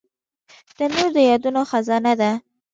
تنور د یادونو خزانه ده